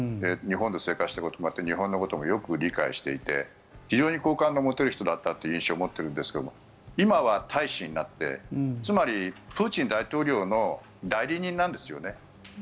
日本で生活したこともあって日本のこともよく理解していて非常に好感を持てる人だったという印象を持っているんですが今は大使になってつまりプーチン大統領の代理人なんですよね。